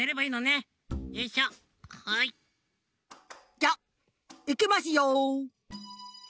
じゃいきますよ。